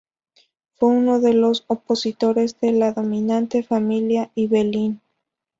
Fue uno de los opositores de la dominante familia Ibelín.